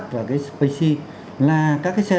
và cái spacey là các cái xe